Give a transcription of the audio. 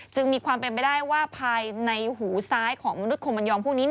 มีความเป็นไปได้ว่าภายในหูซ้ายของมนุษย์องพวกนี้